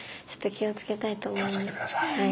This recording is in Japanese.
気をつけて下さい。